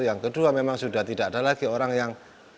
yang kedua memang sudah tidak ada lagi orang yang